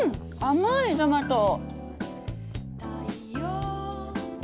甘いトマト。